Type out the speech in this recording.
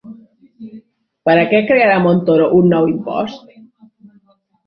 Per a què crearà Montoro un nou impost?